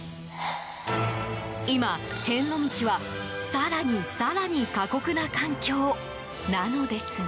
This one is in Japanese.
今、遍路道は、更に更に過酷な環境なのですが。